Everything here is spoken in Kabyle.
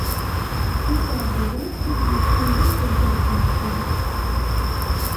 D iseɛdiyen wid yufan deg-k lǧehd-nsen.